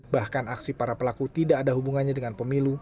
bahkan aksi para pelaku tidak ada hubungannya dengan pemilu